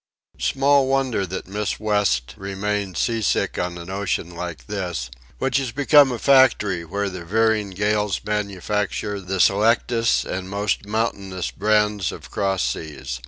Small wonder that Miss West remains sea sick on an ocean like this, which has become a factory where the veering gales manufacture the selectest and most mountainous brands of cross seas.